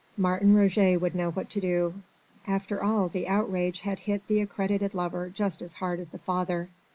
Martin Roget would know what to do. After all, the outrage had hit the accredited lover just as hard as the father.